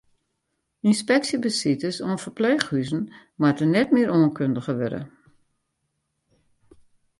Ynspeksjebesites oan ferpleechhûzen moatte net mear oankundige wurde.